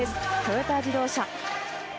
トヨタ自動車。